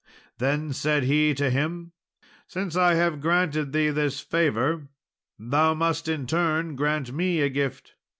Then said he to him, "Since I have granted thee this favour, thou must in turn grant me a gift."